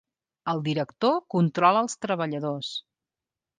El director controla els treballadors.